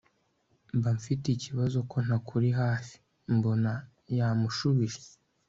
mbamfite ikibazo ko ntakuri hafi mbona yamushubije